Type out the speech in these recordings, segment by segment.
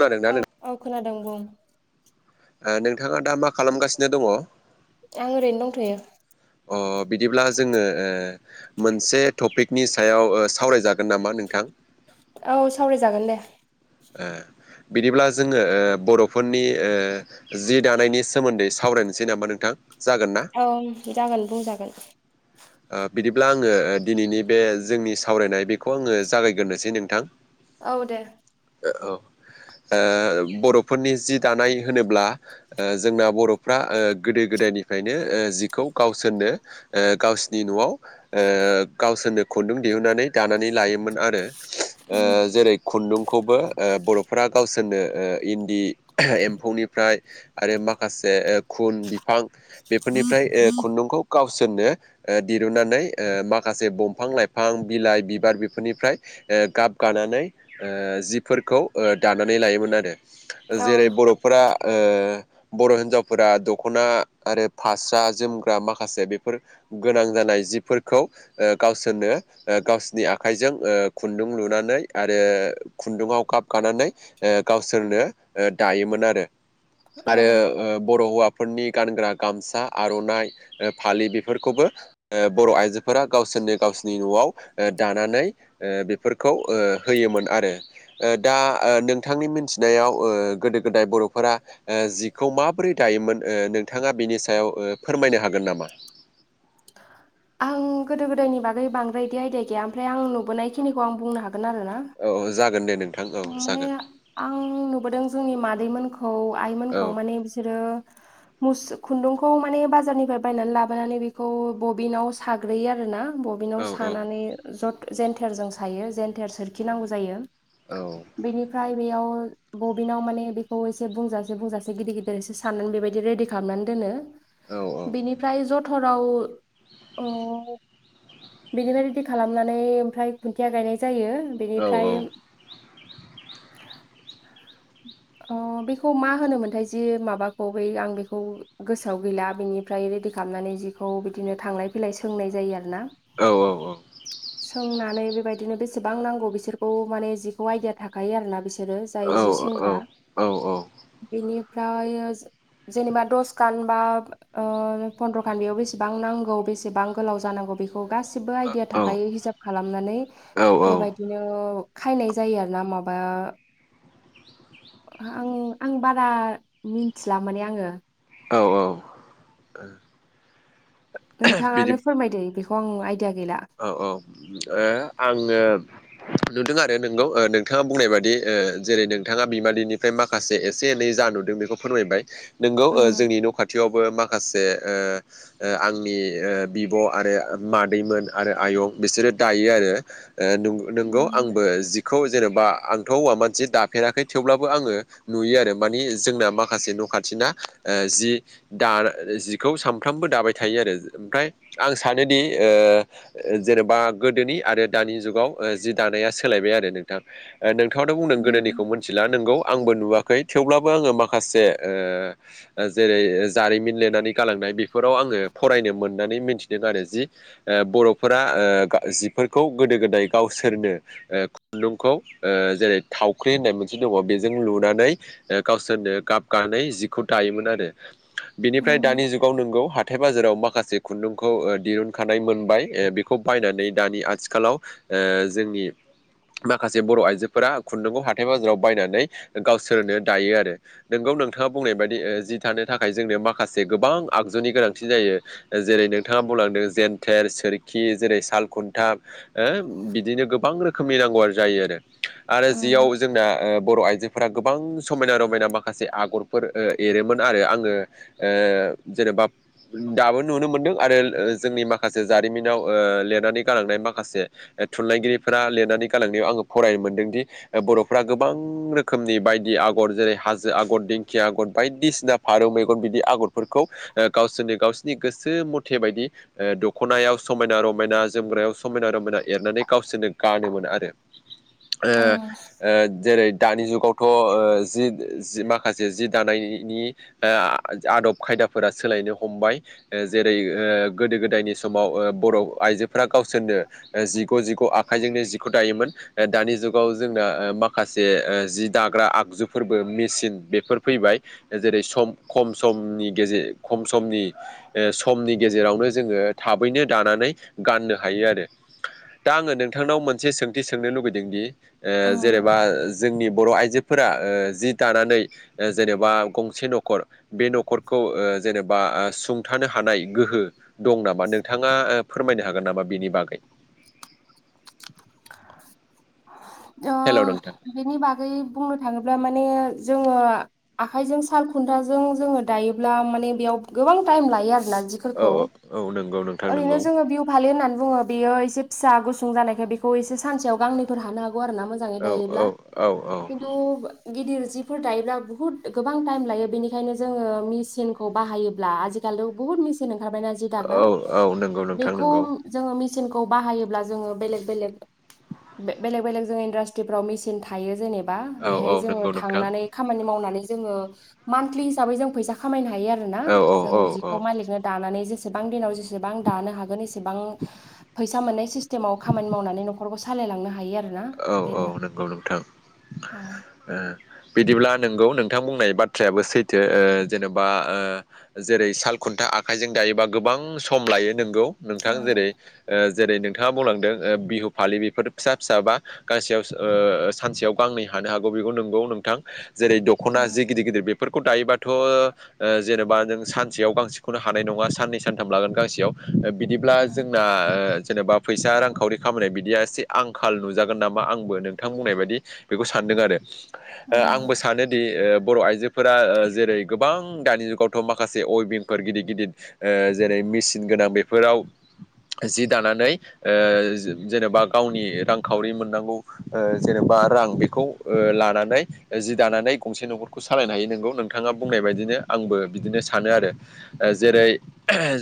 खोनादोंना औ नों औ खोनादों बुं। ओ नोंथाङा दा मा खालामगासिनो दङ? आं ओरैनो दंथ'यो। अ बिदिब्ला जोङो ओ मोनसे टपिकनि सायाव सावराय जाग गोन‌ नामा नोंथां? सावराय जागोन दे। बिदिब्ला जोङो बर'फोरनि ओ जि दानायनि सोमोन्दै सावराय नोसै नामा नोंथां? जागोन ना औ जागोन बुंजागोन। ओ बिदिब्ला आङो दिनैनि बे जोंनि सावरायनाय बेखौ आङो जागायग्रोनोसै नोंथां। औ दे। औ ओ बर'फोरनि जि दानाय होनोब्ला ओ जोंना बर'फ्रा ओ गोदो गोदाय निफ्रायनो जिखौ गावसोरनो गावसि नि न'आव ओ गावसोरनो खुन्दुं दिहुननानै दानानै लायोमोन आरो। ओ जेरै खुन्दुंखौबो बर'फोरा गावसो रनो ओ इन्दि एम्फौनिफ्राय आरो माखासे खुन बिफां बेफोरनिफ्राय ओ खुन्दुंखौ गावसोरनो दिरुननानै माखासे दंफां लाइफां बिलाइ बिबार बेफोरनिफ्राय गाब गाना नै जिफोरखौ दानानै लायोमोन आरो औ जेरै बर'फोरा ओ बर' हिनजावफोरा दख'ना आरो फास्रा जोमग्रा माखासे बेफोर गोनां जानाय जिफोरखौ गावसोरनो गावसोरनि आखाइजों खुन्दुं लुना नै आरो खुन्दुंआव गाब गानानै गावसोरनो दायोमोन आरो। औ आरो बर' हौवाफोरनि गानग्रा गामसा आर'नाइ फालि बे बेफोरखौबो बर' आइजोफोरा गावसोरनो गावसोरनि न'आव दानानै बेफोरखौ होयोमोन आरो दा नोंथांनि मिथिनायाव गोदो गोदाय बर'फो रा जिखौ माबोरै दायोमोन नोंथाङा बेनि सायाव फोरमायनो हागोन नामा? आं गोदो गोदायनि बागै बांद्राय बिदि आयदिया गैया ओमफ्राय आं नुबोनायखिनिखौ आं बुंनो हा औ जागोन दे नों माने आं नुबोदों जोंनि मादैमोनखौ औ आइमोनखौ माने बिसोरो मुस खुन्दुंखौ माने बाजारनिफ्राय बायनानै लाबोनानै बेखौ बबिनाव साग्रोयो आरोना। औ बबिनाव सानानै ज जेेनथेरजों सायो जेेनथेर सोरखि नांगौ जायो। औ बेनिफ्राय बेयाव बबिनाव माने बेखौ एसे बुंजासे बुंजासे गिदिर गिदिर एसे साननानै बेबायदि रेडि खालामनानै दोनो औ बिनिफ्राय जथराव बेनिफ्राय रेडि खालामनानै ओमफ्राय खुन्थिया गायनाय जायो औ बेनिफ्राय अ बेखौ मा होनोमोनथाय जि माबाखौ बै आं बेखौ गोसोआव गैला बि निफ्राय रेडि खालामनानै जिखौ बिदिनो थांलाय फैलाय सोंनाय जायो आरो ना औ सोंनानै बे बायदिनो बेसेबां नांगौ बिसोरखौ माने जिखौ आइदिया थाखायो आरोना बिसोरो जाय जि औ सोंग्रा औ बेनिफ्राय जेनेबा दसखान बा फन्द्र'खान बेयाव बेसेबां नांगौ बेसेबां गोलाव जानांगौ बे खौ गासिबो आइडिया थाखायो हिसाब खालामनानै बेबायदिनो खायनाय जायो आरोना माबा आं आं बारा मिन्थिला माने आङो औ औ बिदि नोंथाङानो फोरमायदों बिदिखौ आं आइ औ औ आङो नुदों आरो नोंगौ नोंथाङा बुंनाय बादि जेरै नोंथाङा बिमादैनिफ्राय माखासे एसे एनै जा नुदों बेखिनिखौ फोरमायबाय नंगौ उम जोंनि न' खाथियाव बो माखासे आंनि बिब' आरो मादैमोन आरो आयं बिसोरो दायो आरो उम नंगौ आंबो जि खौ जेनेबा आंथ' हौवा मानसि दाफेराखै थेवब्लाबो आङो नुयो आरो माने जोंना माखासे न' खाथिना जिखौ सामफ्रोमबो दाबाय थायो आरो ओमफ्राय आं सा थानोदि जेनेबा गोदोनि आरो दानि जुगाव जि दानाया सोलायबाय आरो नोंथांों खोथााव' बुंदों उम गोदोनिखौ मिन्थिला नोंगौ आंबो नुवाखै थेवब्लाबो आङो माखासे जेरै जारिमिन लिरनानै गालांदों बेफोराव आङो फरायनो मोननानै मिथिदों आरो जि बर'फोरा जिफोरखौ गोदो गोदाय गावसोरनो खुन्दुंखौ जेरै थावख्रि होननाय मोनसे दङ बेजों लुनानै गावसोरनो गाब गानै जिखौ दायोमोन आरो बिनिफ्राय उम दानि जुगाव नोंगौ हा हााइ बाजाराव माखासे खुन्दुंखौ दहिरुन ख मोनबाय बेखौ बायनानै दानि आथिखालाव जोंनि माखासे बर' आइजोफोरा खुन्दुंखौ हाथथाय बाजाराव बायनानै गावसोरनो दायो आरो नोंगौ नोंथाङा बुंनाय बायदि जि थानो थाखाय जोंनो माखासे गोबां आगजुनि गोनांथि जायो जेरै नोंथाङा न बुंलांदों जेन थेर सोरखि जेरै साल खन्थाब बिदिनो गोबां रोखोमनि नांगौ आरो जायो आरो आरो उम जियाव जोंना बर' आइजोफोर फोर गोबां समायना रमायना माखासे आगरफोर एरोमोन आरो आङो जेनेा दाबो नुनो मोनदों आरो जोंनि माखासे माखासे जारिमिनाव लिरनानै गालांनाय माखासे थुनलाइगिरिफोरा लिरनानै गालांनायाव आङो फरायोम मोनदोंदि बर'फ्रा गोबां रोखोमनि बायदि आगर जेरै हाजो आगर दिंखिया आगर बायदि बायदिसिना फारौ मेगन बिदि आगरफोरखौ गावसोरनो गावसोरनि गोसो मथे बायदि खनायाव समायना रमायना जोमग्रायाव समायना रमायना एरनानै गावसोरनो गानो मोनो आरो उम जेरै दानि जुगावथ' जि माखासे जि दानायनि आदब खायदा फोर सोलायनो हमबाय जेरै गोदो गोदायनि समाव बर' आइजोफोरा गावसोरनो जिगु जिगु आखाइजोंनो जिखौ दायोमोन दानि जाव जोंना माखासे जि दाग्रा आगु फोरबो मेचन बेफोर फैबाय जेरै सम खम समनि गेजेर खम समनि समनि गेजेरावनो जोङो थाबैनो दानानै गाननो हायो आरो दा आङो नोंथांनाव मोनसे सोंथि सोंनो लुबैदों दि? उम जेनेबा जोंनि बर' आइजोफोरा जि दानानै जेनेबा गंसे न'ख बे न'खौ जेनेबा सुंथानो हानाय गोह द ा नोंथाङा फोरमायनो हागोन नामा बेनि बागै हेल' नोंथां बेनि बागै बुंनो थाङोब्ला माने जोङो आखाइजों साल खुन्थाजों जोङो दायोब्ला माने बेयाव गोबां टाइम लायो औ आरो औ औ नंगौ नोंथां ओैनो नंगौ जोङो बि फालि होननानै बुङो बेयो एसे फिसा गुसुं जानायखाय बेखौ एसे सानसेयाव गांनैफोर हानो हागोन आरोना मोजांङै औ औ दायोब्ला औ खिनथु गिदिर जिफोर दायोब्ला बुहुत गोबां टाइम लायो बेनिखायनो जोङो मेचनखौ बाहायोब्ला आजिखालि' बुहुत ब मिचन ओंखारबायना जि दाग्रा औ औ नंगौ नोंथां बेखौ नंगौ जोंङो मिसिनखौ बाहायोब्ला जोंङो बेलेख बेलेख जोंङो इन्डास्ट्रिफ्राव मेसिन थायो जेनेबा औ औ बेहाय जोङो नंगौ नोंथां थांनानै खामानि मावनानै जोंङो मानथलि हिसाबै जों फैसा खामनो हायो आरोना औ औ जों औ औ जिखौ मालिकनो दानानै ज एसेबां दिनाव जेसेबां दानो हागोन एसेबां फैसा मोननाय सिस्टेमाव खामानि मावनानै नख न'खरखौ सालायलांनो हायो आरो ना औ औ नंगौ नोंथां औ बिदिब्ला नोंगौ नोंथां बुंनाय बाथ्रायाबो सैथो जेन'बा जेरै साल खुन्था आखाइजों जायोबा गोबां सम लायो नोंगौ नोंथां उम जेरै जेरै नोंथाङा बुंलांदों बिहु फालि बेफोर फिसा फिसाबा गांसेयाव सानसेयाव गांनै हानो हागौ बेखौ नोंगौ नोंथां जेरै दख'ना जि गिदिर गिदिर बे फोरखौ दायोबाथ' ओ- जेनेबा नों सानसेयाव गांसेखौनो हानाय नङा साननै सानथाम लागोन गांसेयाव बिदिब्ला जोंना ओ- जेनेबा फैसा रांखावरि खामनाय बिदिया एसे आंखाल नुज जागोन नामा आंबो नोंथां बुंनाय बायदि बेखौ सानदों आरो आंबो उम सानो दि ओ- बर' आइजोफोरा ओ- जेरै गोबां दानि जुगावथ' माखासे अइभिंफोर गिदिर गिदिर ओ- जेरै मेचन गोनां बेफोराव जि दानानै ओ- जेनेबा गावनि रां खावरि ओ- मोननांगौ जेनेबा रां बेखौ ओ- लानानै जि दानानै गंसे न'खौ सालायनो हायो नोंगौ नोंथाङा बुंनाय बायदिनो आंबो बिदिनो सानो आरो ओ- जेरै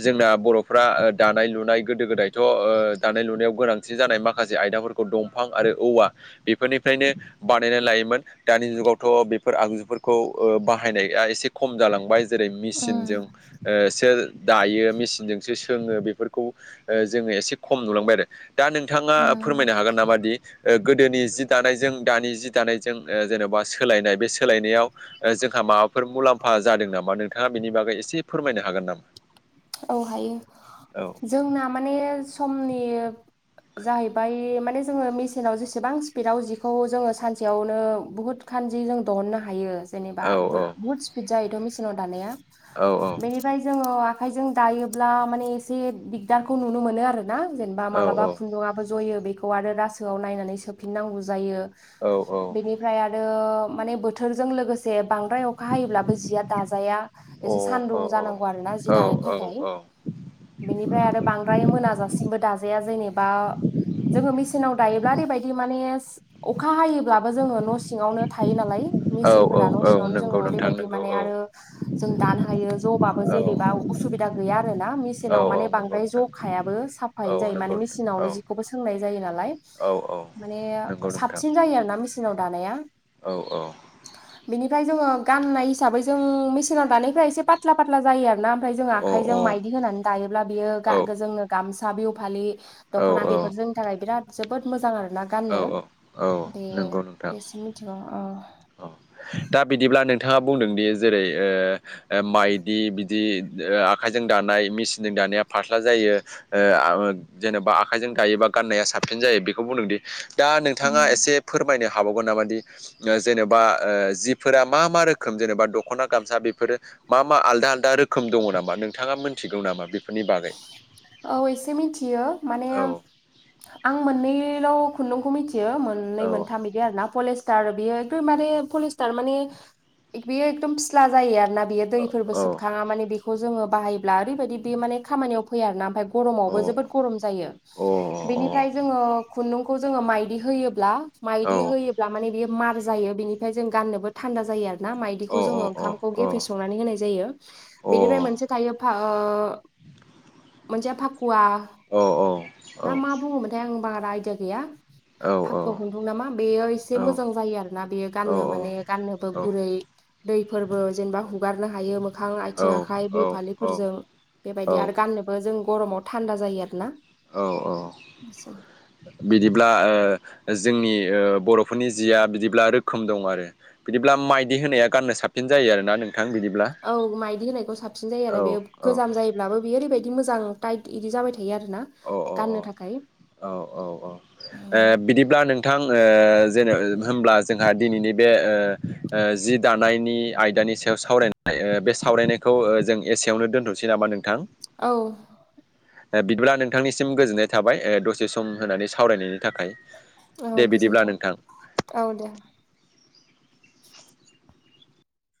जोंना द बर'फ्रा ओ- दानाय लुनाय गोदो गोदायथ' ओ- दानाय लुनायाव गोनांथि जानाय माखासे आयदाफोरखौ दंफां आरो औवा बेफोरनिफ्रायनो बानायनानै लायोमोन दानि जुगावथ' बेफोर आगजुफोर फोरखौ ओ- बाहायनाया एसे खम जालांबाय जेरै उम मेसिनजों ओ- स दायो मेसिनजोंसो सोङो बेफोरखौ ओ- जोङो एसे खम नुलांबाय आरो दा नोंथाङा उम फोरमायनो हागोन नामा दि गोदोनि जि दानायजों दानि जि दानायजों ओ- जेन'बा सोलायनाय बे सोलायनायाव जोंहा माबाफोर मुलाम्फा जादों नामा नोंथाङा बेनि बागै एसे फोरमायनो हागोन नामा? औ हायो औ जोंना माने समनि जाहैबाय माने जोङो मेचनाव जेसेबां स्पिदाव जिखौ जोङो सानसेयावनो बुहुत खन जि जों दिहुननो हायो जेनेबा औ बुहुत स्पिद जायोथ' मिसिनाव दानाया औ बेनिफ्राय जोङो आखाइजों दायोब्ला माने एसे दिगदारखौ नुनो मोनो आरो ना जेनेबा औ अ औ मालाबा औ खुन्दुाबबो जयो बेखौ आरो रासोआव नायनानै सोफिननांगौ जायो बेनिफ्राय आरो माने बोथोरजों लोगोसे बांद्राय अखा हायोब्लाबो जिया दाजाया एसे सानदुं जानांगौ आरो ना जि दानायानो थाखाय बेनिफ्राय आरो बांद्राय मोनाजासिमबो दाजाया जेनेबा जोङो मेचनाव दायोब्ला ओरैबायदि माने अखा हायोब्लाबो जोङो न' सिङावनो थायो नालाय औ मेसिनफोरा न' औ सिङावनो जोङो नंगौ नोंथां ओरैबायदि नंगौ माने औ आरो जों दानो हायो जबाबो औ जेरैबा उसुबिदा गैया आरो ना औ मेसिनाव औ माने नंगौ बांद्राय नोंथां जखायाबो साफायैनो औ जायो नंगौ माने मेसिनावनो नोंथां जिखौबो सोंनाय जायो नालाय। औ औ माने नंगौ नोंथां साबसिन जायो आरोना मेचिनाव दानाया अ बेनिफ्राय जोङो गाननाय हिसाबै जों मेसिनाव दानायफ्रा एसे पत्ला फात्ला जायो आरो ना ओमफ्राय जों अ आखाइजों माइदि होनानै दायोब्ला बियो जोंनो गामसा बिहु फालि औ औ दख'ना औ बेफोर जोंनि थाखाय बिराद जोबोद मोजां आरो। ना औ गाननो औ बे नंगौ नोंथां बेसम मिथिगौ औ औ दा बिदिब्ला नों थाङा बुंदों दि जेरै ओ- माइदि बिदि आखाइजों दानाय मेसिनजों दा नाया फास्ला जायो ओ आ ओ जेन'बा आखायजों गायोबा गाननाया साबसिन जायो बेखौ बुंदोंदि दा नोंथाङा एसे फोरमायनो हाबावगोन नामादि जेनेबा ओ जिफोरा मा मा रोखोम जेनेबा दख'ना गामसा बेफोरो मा मा आलदा आलदा रोखोम दङ नामा नोंथाङा मोनथिगौ नामा बेखौ? औ एसे मिथियो माने औ आं मोननैल' खुन्दुंखौ मिथियो मोननै औ मोनथाम बिदि आरो ना फलेज स्थार माने बियो फिस्ला जायो आरोना बेयो दैफोरबो औ सोबखाङा माने बेखौ जोङो बाहायोब्ला ओरैबायदि बे माने खामानियाव फैया आरोना ओमफ्राय औ गरमावबो जोबोद अ गरम जायो अ अ बेनिफ्राय औ जोङो खुन्दुंखौ जोङो मायदि होयोब्ला माइदि होयोब्ला माने बेयाव मार जायो बेनिफ्राय जों गाननोबो थान्दा जायो आरो ना अ माइदिखौ जोङो अ ओंखामखौ अ गेफे अ संनानै होनाय जायो अ औ बेनिफ्राय मोनसे थायो खुवा ना मा बुङोमोनथाय आं बारा आयदिया गैया औ फाखु खुन्दुं नामा बेयो एसे मोजां जायो आरो ना बेयो गाननो माने गाननोबो गुरै दैफोरबो जेनेबा हुगारनो हायो मोखां औ आथिं आखाइ बिहु फालिफोरजों बेबायदि आरो गाननोबो जों गरमाव थान्दा जायो आरो ना औ औ बिदिब्ला ओ जोंनि ओ बर'फोरनि जिया बिदिब्ला रोखोम दं आरो बिदिब्ला माइदि होनाया गाननो साबसिन जायो आरो ना नों औ माइदि होनायखौ साबसिन जायो आरो औ बे औ गोजाम जायोब्लाबो बे ओैबायदि मोजां टाइट इदि जाबाय था यो आरोना औ गाननो थाखाय औ बिथां ओ जेनेब होनोमब्ला जोंहा दिनैनि बे ओ ओ जि दानायनि आयदा नि सायाव सावरायनाय बे सावरायनायखौ जों एसेयावनो दोनथ'सै नामा नोंथां औ बिदिब्ला नोंथांनिसिम गोजोननाय थाबाय। ओ दसे सम होननानै सावरायनायनि थाखाय औ दे बिदिब्ला गोजोनथों नोंथां। औ दे